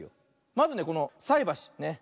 まずねこのさいばし。